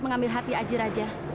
mengambil hati aji raja